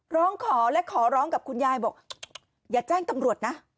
ร้องขอและขอร้องกับคุณยายบอกอย่าแจ้งตำรวจนะ